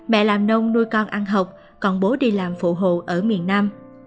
mẹ làm nông nuôi con ăn học còn bố đi làm phụ hồ ở miền nam